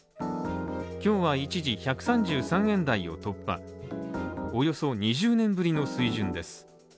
今日は一時１３３円台を突破、およそ２０年ぶりの水準です。